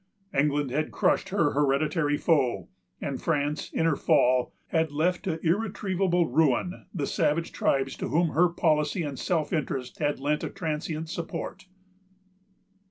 England had crushed her hereditary foe; and France, in her fall, had left to irretrievable ruin the savage tribes to whom her policy and self interest had lent a transient support.